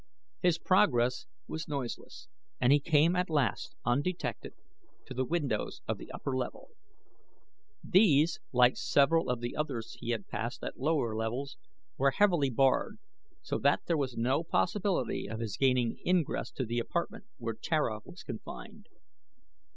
His progress was noiseless and he came at last, undetected, to the windows of the upper level. These, like several of the others he had passed at lower levels, were heavily barred, so that there was no possibility of his gaining ingress to the apartment where Tara was confined.